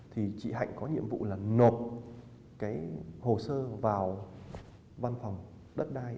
thì chị hạnh có nhiệm vụ là nộp cái hồ sơ vào văn phòng đất đai